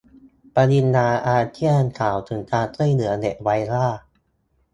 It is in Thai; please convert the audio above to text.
ปฏิญญาอาเซียนกล่าวถึง การช่วยเหลือเด็กไว้ว่า